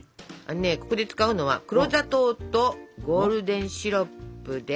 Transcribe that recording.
ここで使うのは黒砂糖とゴールデンシロップです。